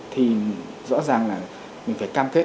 thì rõ ràng là mình phải cam kết